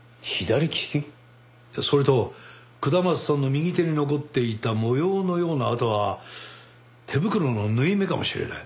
それと下松さんの右手に残っていた模様のような痕は手袋の縫い目かもしれない。